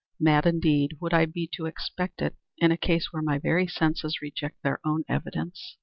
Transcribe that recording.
Mad indeed would I be to expect it, in a case where my very senses reject their own evidence.